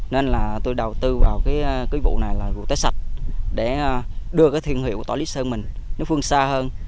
nên là tôi đầu tư vào cái vụ này là vụ tế sạch để đưa thương hiệu tỏi lý sơn mình phương xa hơn